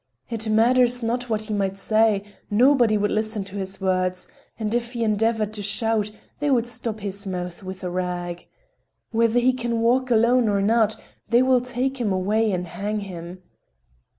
It matters not what he might say, nobody would listen to his words, and if he endeavored to shout, they would stop his mouth with a rag. Whether he can walk alone or not, they will take him away and hang him.